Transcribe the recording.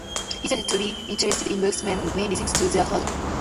He started to be interested in books mainly thanks to his father.